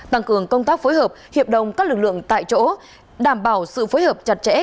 tăng cường công tác phối hợp hiệp đồng các lực lượng tại chỗ đảm bảo sự phối hợp chặt chẽ